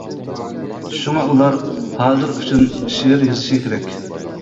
شۇڭا ئۇلار ھازىر ئۈچۈن شېئىر يېزىشى كېرەك.